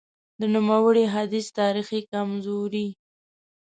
د نوموړي حدیث تاریخي کمزوري :